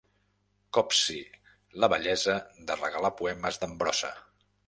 Copsi la bellesa de regalar poemes d'en Brossa.